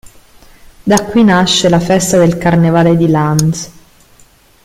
Da qui nasce la festa del Carnevale di Lanz.